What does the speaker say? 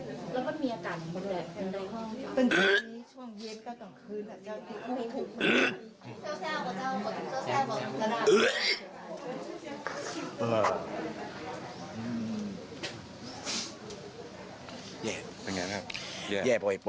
แย่พอเค้าเปลือนหน้าเต็มเลย